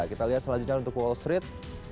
kita lihat selanjutnya untuk wall street